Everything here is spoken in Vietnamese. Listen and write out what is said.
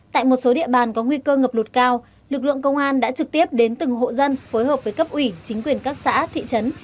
tại một số địa bàn có nguy cơ ngập lụt cao lực lượng công an đã trực tiếp đến từng hộ dân phối hợp với cấp ủy chính quyền các xã thị trấn